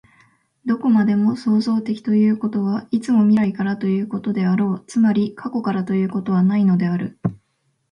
どこまでも創造的ということは、いつも未来からということであろう、つまり過去からということはないのである。